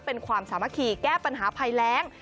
เป็นความสามัคคีแก้ปัญหาภัยแรง